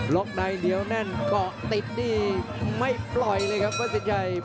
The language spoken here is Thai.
ในเหนียวแน่นเกาะติดนี่ไม่ปล่อยเลยครับวัดสินชัย